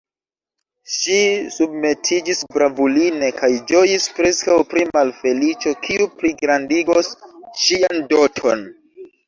Ŝi submetiĝis bravuline, kaj ĝojis preskaŭ pri malfeliĉo, kiu pligrandigos ŝian doton.